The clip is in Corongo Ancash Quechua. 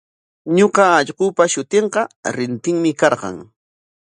Ñuqa allqupa shutinqa Rintinmi karqan.